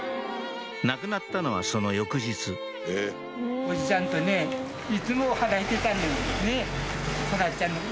亡くなったのはその翌日おじちゃんとねいつも話してたのよ。